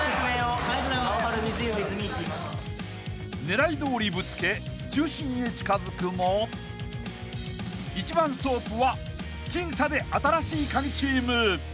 ［狙いどおりぶつけ中心へ近づくも一番ソープは僅差で新しいカギチーム］